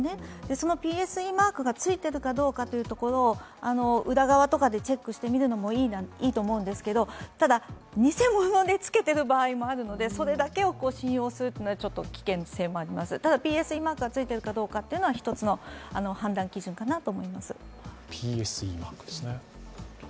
そのＰＳＥマークがついているかどうかを裏側などでチェックしてみるのもいいと思うんですけど、ただ、偽物でつけている場合もあるので、それだけを信用するっていうのは、少し危険性があります、ただＰＳＥマークがついているかどうかは一つの判断基準かと思います。